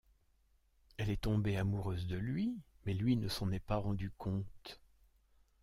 Elle est tombée amoureuse de lui mais lui ne s'en est pas rendu compte.